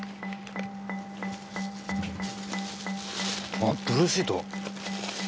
あっブルーシート。